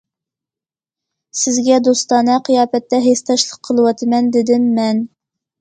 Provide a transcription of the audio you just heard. سىزگە دوستانە قىياپەتتە ھېسداشلىق قىلىۋاتىمەن،- دېدىم مەن.